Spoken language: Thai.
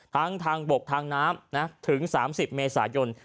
ทั้งทางบกทางน้ำถึง๓๐เมษายน